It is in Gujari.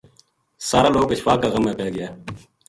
سارا لوک اشفاق کا غم ما پے گیا